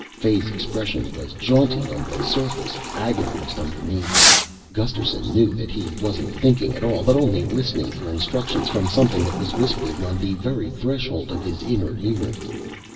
Fay's expression was jaunty on the surface, agonized underneath. Gusterson knew that he wasn't thinking at all, but only listening for instructions from something that was whispering on the very threshold of his inner ear.